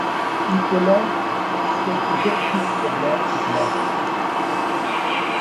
Épélant quelque obscur problème, Blême